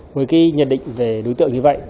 với cái nhận định về đối tượng như vậy